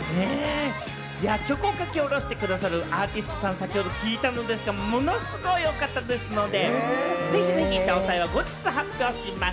曲を書き下ろして下さるアーティストさん、ものすごいお方ですので、ぜひぜひ詳細は後日発表します。